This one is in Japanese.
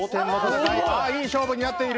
いい勝負になっている。